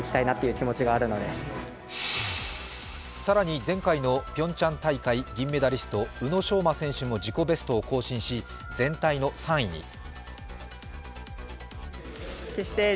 更に、前回のピョンチャン大会、銀メダリスト、宇野昌磨選手も自己ベストを更新し、全体の３位に。